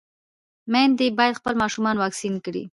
ميندې بايد خپل ماشومان واکسين کړي.